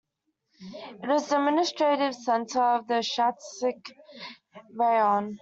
It is the administrative center of Shatsk Raion.